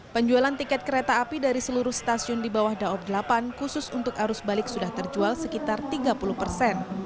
penjualan tiket kereta api dari seluruh stasiun di bawah daob delapan khusus untuk arus balik sudah terjual sekitar tiga puluh persen